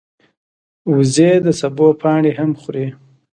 وزې د سبو پاڼې هم خوري